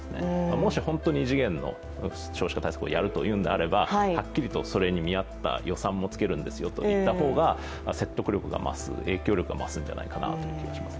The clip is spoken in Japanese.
もし本当に異次元の少子化対策をやるというのであればはっきりとそれに見合った予算もつけるんですよと言った方が説得力、影響力が増すという気がします。